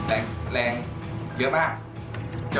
อันดับสุดท้ายแก่มือ